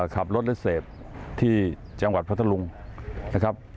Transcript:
ขับรถและเสพที่จังหวัดพัทธลุงนะครับ